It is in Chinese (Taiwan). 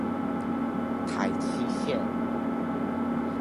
台七線